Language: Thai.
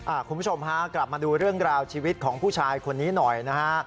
คุณผู้ชมฮะกลับมาดูเรื่องราวชีวิตของผู้ชายคนนี้หน่อยนะฮะ